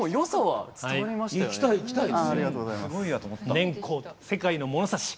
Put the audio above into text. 年縞世界のものさし。